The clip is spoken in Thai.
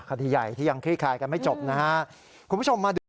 คัติใหญ่ที่ยังคลี่คายกันไม่จบนะฮะ